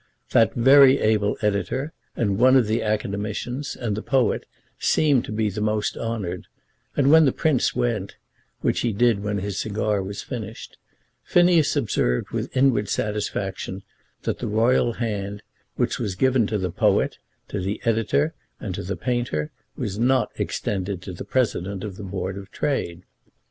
That very able editor, and one of the Academicians, and the poet, seemed to be the most honoured, and when the Prince went, which he did when his cigar was finished, Phineas observed with inward satisfaction that the royal hand, which was given to the poet, to the editor, and to the painter, was not extended to the President of the Board of Trade.